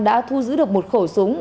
đã thu giữ được một khẩu súng